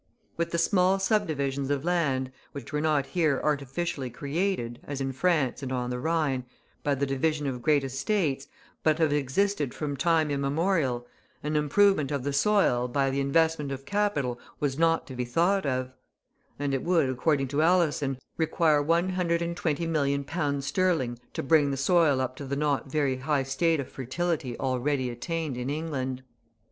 With the small subdivisions of land, which were not here artificially created, as in France and on the Rhine, by the division of great estates, but have existed from time immemorial, an improvement of the soil by the investment of capital was not to be thought of; and it would, according to Alison, require 120 million pounds sterling to bring the soil up to the not very high state of fertility already attained in England.